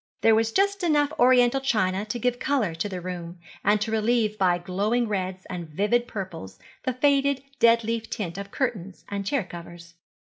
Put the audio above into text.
There was just enough Oriental china to give colour to the room, and to relieve by glowing reds and vivid purples the faded dead leaf tint of curtains and chair covers.